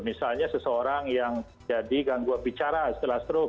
misalnya seseorang yang jadi gangguan bicara setelah stroke